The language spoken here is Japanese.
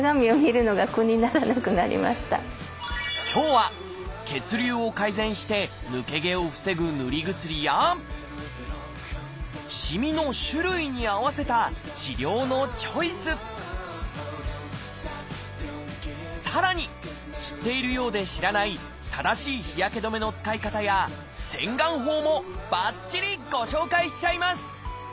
今日は血流を改善して抜け毛を防ぐ塗り薬やしみの種類に合わせた治療のチョイスさらに知っているようで知らない正しい日焼け止めの使い方や洗顔法もばっちりご紹介しちゃいます！